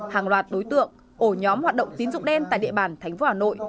hàng loạt đối tượng ổ nhóm hoạt động tín dụng đen tại địa bàn thành phố hà nội